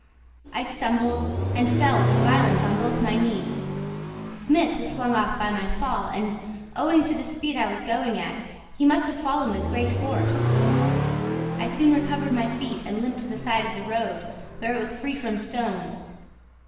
I stumbled, and fell with violence on both my knees. Smith was flung off by my fall, and, owing to the speed I was going at, he must have fallen with great force. I soon recovered my feet and limped to the side of the road, where it was free from stones.